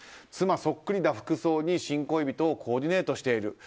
妻そっくりな服装に新恋人をコーディネートしている。